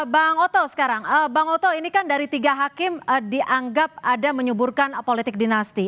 bang oto sekarang bang oto ini kan dari tiga hakim dianggap ada menyuburkan politik dinasti